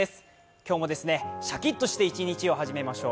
今日もシャキッとして一日を始めましょう。